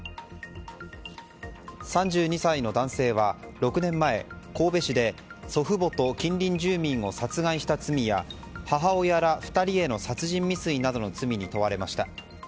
３２歳の男性は６年前、神戸市で祖父母と近隣住民を殺害した罪や母親ら２人への殺人未遂などの罪に問われました。